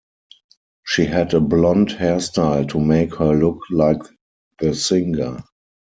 She had a blonde hairstyle to make her look like the singer.